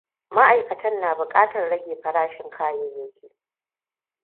Ma'aikatan na buƙatar rage farashin kayayyaki.